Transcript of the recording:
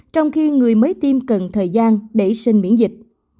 trong khi người mới tiêm cần thời gian để sinh miễn dịch